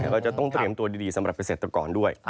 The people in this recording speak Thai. แล้วก็จะต้องเตรียมตัวดีสำหรับประเศษแต่ก่อนด้วย